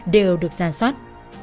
đều được xà xoát